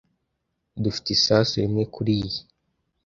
Dufite isasu rimwe kuriyi.